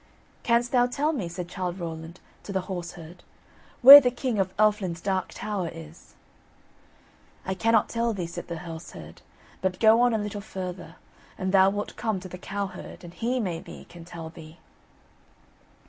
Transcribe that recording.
"Canst thou tell me," said Childe Rowland to the horse herd, "where the King of Elfland's Dark Tower is?" "I cannot tell thee," said the horse herd, "but go on a little further and thou wilt come to the cow herd, and he, maybe, can tell thee."